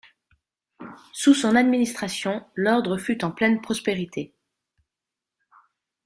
Sous son administration, l'ordre fut en pleine prospérité.